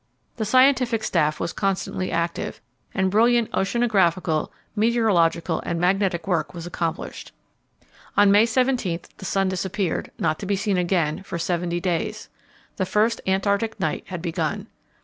The scientific staff was constantly active, and brilliant oceanographical, meteorological, and magnetic work was accomplished. On May 17 the sun disappeared, not to be seen again for seventy days. The first Antarctic night had begun.